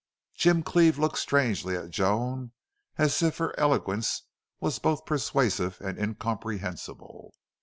Jim Cleve looked strangely at Joan, as if her eloquence was both persuasive and incomprehensible.